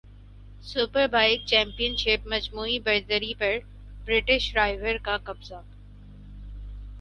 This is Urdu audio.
سپربائیک چیمپئن شپ مجموعی برتری پر برٹش رائیور کاقبضہ